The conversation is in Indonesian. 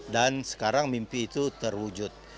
dan sekarang mimpi itu terwujud